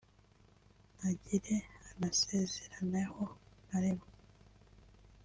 ntagire anasezeranaho na rimwe